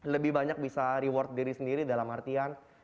lebih banyak bisa reward diri sendiri dalam artian